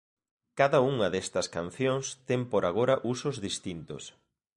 Cada unha destas cancións ten por agora usos distintos.